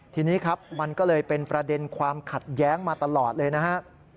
ทีนี้ครับมันก็เลยเป็นประเด็นความขัดแย้งมาตลอดเลยนะฮะ